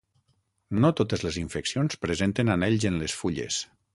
No totes les infeccions presenten anells en les fulles.